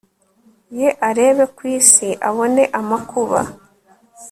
ye arebe ku isi abone amakuba